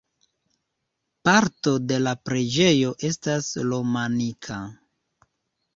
Parto de la preĝejo estas romanika.